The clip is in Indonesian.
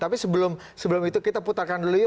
tapi sebelum itu kita putarkan dulu yuk